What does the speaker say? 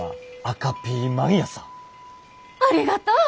ありがとう！